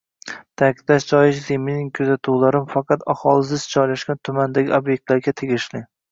Ta'kidlash joizki, mening kuzatuvlarim faqat aholi zich joylashgan tumandagi ob'ektlarga tegishli